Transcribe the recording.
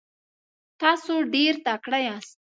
تاسو ډیر تکړه یاست.